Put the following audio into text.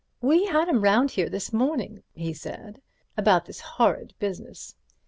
"We had him round here himself this morning," he said, "about this horrid business.